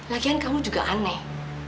lagian kamu juga aneh